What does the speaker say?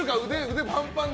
腕パンパンで。